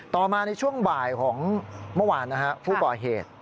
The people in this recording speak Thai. ต่อมาในช่วงบ่ายของเมื่อวานผู้ก่อเหตุ